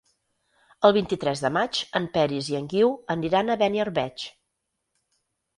El vint-i-tres de maig en Peris i en Guiu aniran a Beniarbeig.